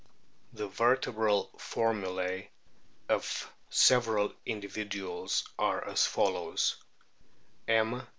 The vertebral formulae of several individuals are as follows : M.